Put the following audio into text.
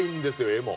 絵も。